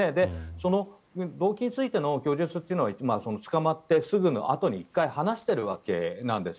その動機についての供述は捕まってすぐあとに１回話しているわけなんです。